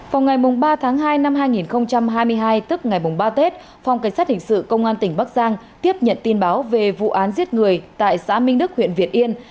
vào ngày ba tháng hai năm hai nghìn hai mươi hai tức ngày ba tết phòng cảnh sát hình sự công an tỉnh bắc giang tiếp nhận tin báo về vụ án giết người tại xã minh đức huyện việt yên